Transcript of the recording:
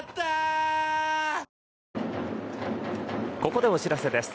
ここでお知らせです。